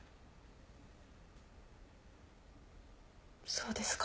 そうですか。